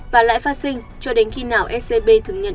và lãi phát sinh cho đến khi nào scb